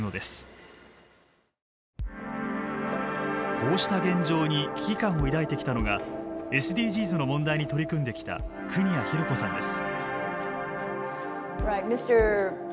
こうした現状に危機感を抱いてきたのがＳＤＧｓの問題に取り組んできた国谷裕子さんです。